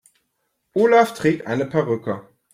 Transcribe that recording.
Olaf trägt eine Perücke.